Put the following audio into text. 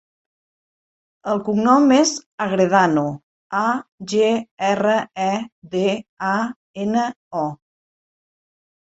El cognom és Agredano: a, ge, erra, e, de, a, ena, o.